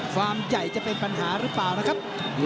ใหญ่จะเป็นปัญหาหรือเปล่านะครับ